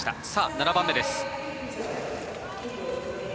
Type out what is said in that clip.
７番目です。